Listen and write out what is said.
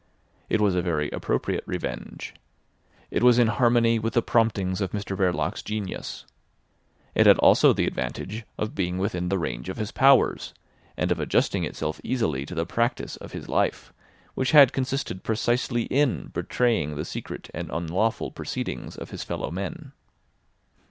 It was a very appropriate revenge. It was in harmony with the promptings of Mr Verloc's genius. It had also the advantage of being within the range of his powers and of adjusting itself easily to the practice of his life, which had consisted precisely in betraying the secret and unlawful proceedings of his fellow men.